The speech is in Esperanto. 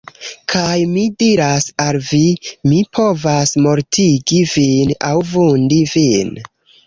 Kaj mi diras al vi, mi povas mortigi vin aŭ vundi vin!